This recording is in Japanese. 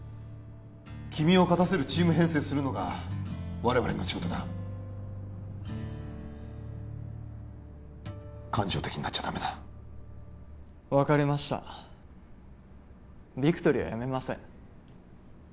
君を勝たせるチーム編成するのが我々の仕事だ感情的になっちゃダメだ分かりましたビクトリーはやめません